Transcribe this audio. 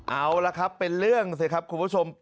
เอาละครับเป็นเรื่องสิครับคุณผู้ชม